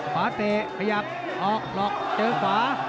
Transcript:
ขวาเตะขยับออกหลอกเจอขวา